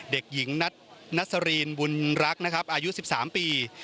เด็กหญิงนัสรีนวุนรักอายุ๑๓ปี